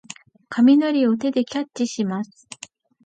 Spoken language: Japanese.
雷を手でキャッチします。